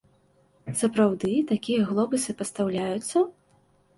Сапраўды такія глобусы пастаўляюцца?